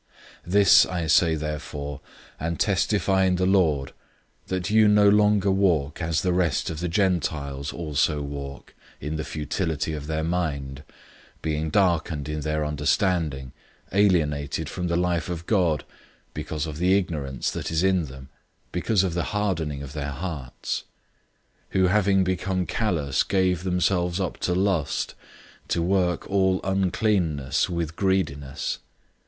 004:017 This I say therefore, and testify in the Lord, that you no longer walk as the rest of the Gentiles also walk, in the futility of their mind, 004:018 being darkened in their understanding, alienated from the life of God, because of the ignorance that is in them, because of the hardening of their hearts; 004:019 who having become callous gave themselves up to lust, to work all uncleanness with greediness.